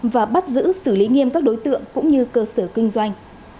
và bắt giữ xử lý nghiêm các đối tượng cũng như cơ sở kinh doanh